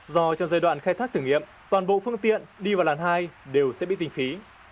do trong giai đoạn khai thác thử nghiệm toàn bộ phương tiện đi vào làn hai đều sẽ bị tình phí